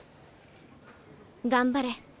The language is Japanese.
頑張れ。